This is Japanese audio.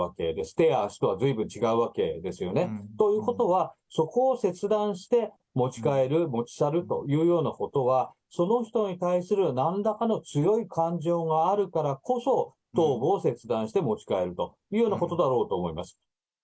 手や足とはずいぶん違うわけですよね。ということは、そこを切断して、持ち帰る、持ち去るというようなことは、その人に対する何らかの強い感情があるからこそ、頭部を切断して持ち帰るというようなことだろうと思います。